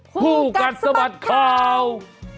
คู่กัดสะบัดข่าว